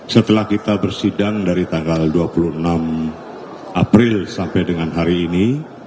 setelah kita bersidang dari tanggal dua puluh enam april sampai dengan hari ini